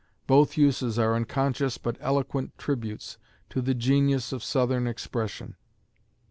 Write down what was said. Both uses are unconscious but eloquent tributes to the genius of Southern expression.